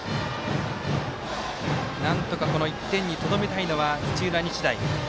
なんとか１点にとどめたいのは土浦日大。